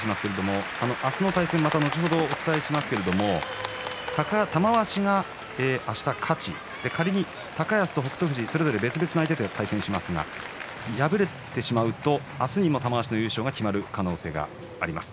明日の対戦はまた後ほどお伝えしますけれども玉鷲が、あした勝ち仮に高安と北勝富士それぞれ別々の相手と対戦しますが、敗れてしまうと明日にも玉鷲の優勝が決まる可能性があります。